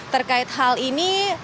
terkait hal ini